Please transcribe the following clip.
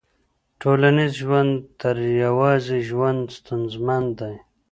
ټولنیز ژوند تر يوازي ژوند ستونزمن دی.